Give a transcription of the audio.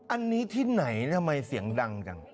อันนี้ที่ไหนทำไมเสียงดังจัง